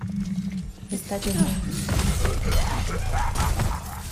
Está lloviendo.